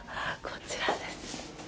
こちらです。